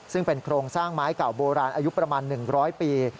ซึ่งเป็นโครงสร้างไม้เก่าโบราณอายุประมาณ๑๐๐ปี